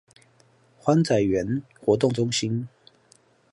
歡仔園活動中心